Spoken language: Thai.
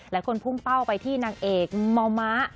และควรพุ่งเป้าไปที่นางเอกมอมมะ